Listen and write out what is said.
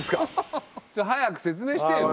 早く説明してよ。